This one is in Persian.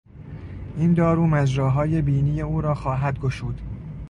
این دارو مجراهای بینی او را خواهد گشود.